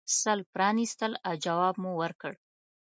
سل پرانیستل او جواب مو ورکړ.